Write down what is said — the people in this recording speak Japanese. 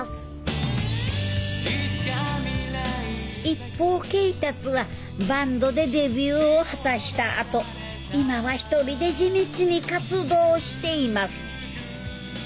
一方恵達はバンドでデビューを果たしたあと今は１人で地道に活動しています。